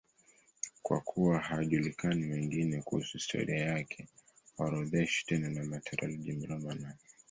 Kwa kuwa hayajulikani mengine kuhusu historia yake, haorodheshwi tena na Martyrologium Romanum.